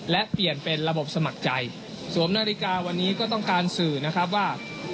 และเปลี่ยนเป็นระบบสมัครใจสวมนาฬิกาวันนี้ก็ต้องการสื่อนะครับว่า